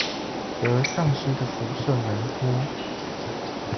則喪失的輻射能多